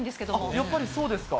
やっぱりそうですか。